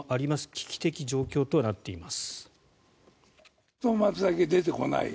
危機的状況となっています。